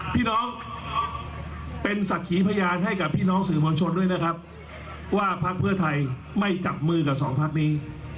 พี่น้องเป็นศักดิ์ขีพยานให้กับพี่น้องสื่อมวลชนด้วยนะครับว่าพักเพื่อไทยไม่จับมือกับสองพักนี้